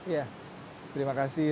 ya terima kasih